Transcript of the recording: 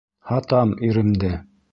Һатам иремде!